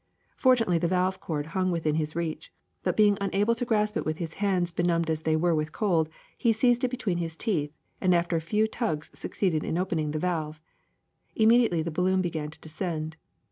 ^'Fortunately the valve cord hung within his reach; but being unable to grasp it with his hands, benumbed as they were with cold, he seized it be tween his teeth and after a few tugs succeeded in opening the valve. Immediately the balloon began to descend.